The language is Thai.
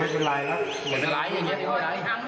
เหล่า